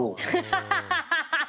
ハハハハ！